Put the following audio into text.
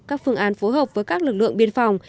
các phương án phối hợp với các lực lượng biên phòng